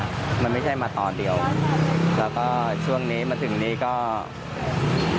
ราคาผักชีไทยตลาดเฮ่ยขวางวันนี้นะครับ๓๘๐๔๐๐บาทต่อกิโลกรัม